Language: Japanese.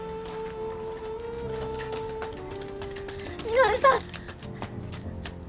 稔さん！